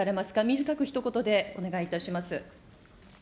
短くひと言でお願いいたします。